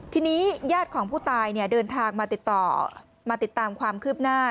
ทีนี้ญาติของผู้ตายเดินทางมาติดต่อมาติดตามความคืบหน้า